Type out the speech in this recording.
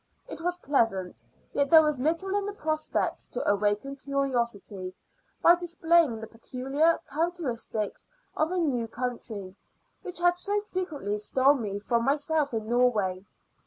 It was pleasant, yet there was little in the prospects to awaken curiosity, by displaying the peculiar characteristics of a new country, which had so frequently stole me from myself in Norway.